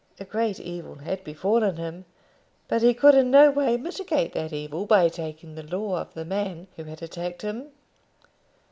A great evil had befallen him, but he could in no way mitigate that evil by taking the law of the man who had attacked him.